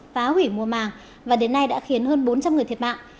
phá hủy mùa màng và đến nay đã khiến hơn bốn trăm linh người thiệt mạng